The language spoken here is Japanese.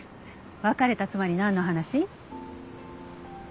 別れた妻になんの話？